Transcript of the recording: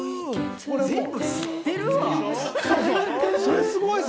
全部知ってるわ！